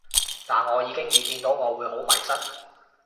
但我已經預見到我會好迷失